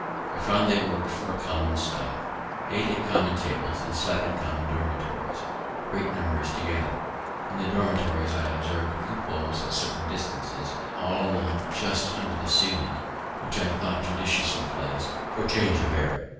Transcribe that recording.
I found they work'd for a common stock, ate at common tables, and slept in common dormitories, great numbers together. In the dormitories I observed loopholes, at certain distances all along just under the ceiling, which I thought judiciously placed for change of air.